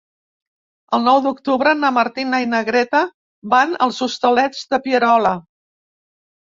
El nou d'octubre na Martina i na Greta van als Hostalets de Pierola.